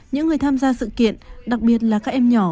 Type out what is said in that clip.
những người tham gia sự kiện đặc biệt là các em nhỏ